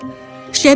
shadow belum menyerah